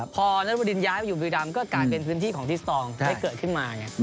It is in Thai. พอนัทบดินย้ายมาอยู่บุรีรำก็กลายเป็นพื้นที่ของทิสตองได้เกิดขึ้นมา